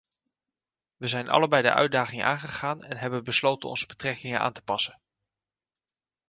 We zijn allebei de uitdaging aangegaan en hebben besloten onze betrekkingen aan te passen.